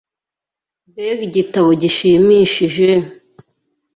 Mbega igitabo gishimishije!